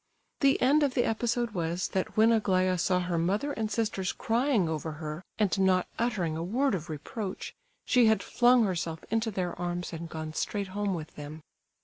The end of the episode was that when Aglaya saw her mother and sisters crying over her and not uttering a word of reproach, she had flung herself into their arms and gone straight home with them.